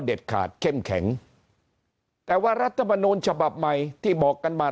ขาดเข้มแข็งแต่ว่ารัฐมนูลฉบับใหม่ที่บอกกันมา